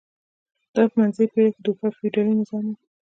دا په منځنۍ پېړۍ کې د اروپا فیوډالي نظام و.